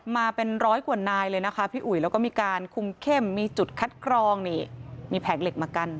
มาเป็นร้อยกว่านายเลยนะคะพี่อุ๋ยแล้วก็มีการคุมเข้มมีจุดคัดกรองนี่มีแผงเหล็กมากั้น